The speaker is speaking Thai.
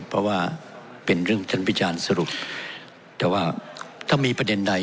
เพราะว่าเป็นเรื่องท่านพิจารณ์สรุปแต่ว่าถ้ามีประเด็นใด